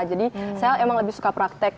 jadi saya emang lebih suka praktek